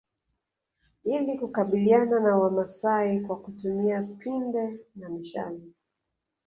Ili kukabiliana na wamasai kwa kutumia pinde na mishale